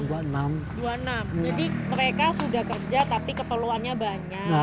jadi mereka sudah kerja tapi keleluhannya banyak